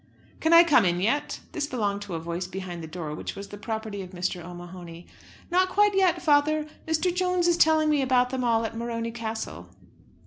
"Can I come in yet?" This belonged to a voice behind the door, which was the property of Mr. O'Mahony. "Not quite yet, father. Mr. Jones is telling me about them all at Morony Castle."